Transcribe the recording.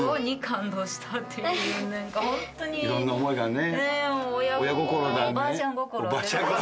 いろんな思いがね。